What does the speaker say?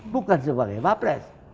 bukan sebagai wabres